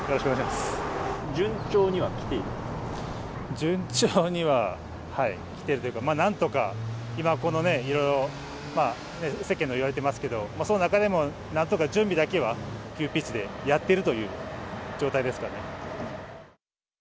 順調には、はい、きてるというか、まあなんとか、今、このいろいろ世間ではいわれてますけど、その中でも、なんとか準備だけは急ピッチでやっているという状態ですかね。